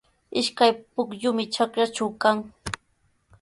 Ishkay pukyumi trakraatraw kan.